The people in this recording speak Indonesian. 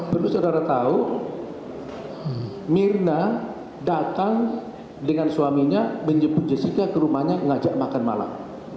perlu saudara tahu mirna datang dengan suaminya menjemput jessica ke rumahnya ngajak makan malam